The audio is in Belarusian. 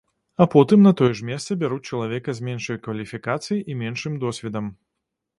А потым на тое ж месца бяруць чалавека з меншай кваліфікацыяй і меншым досведам.